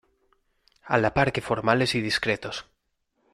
a la par que formales y discretos.